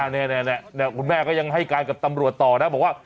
นี่คุณแม่ก็ยังให้การกับตำรวจต่อนะบอกว่า